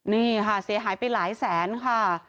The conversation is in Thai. นี่ค่ะเสียหายไปหลายแสนค่ะ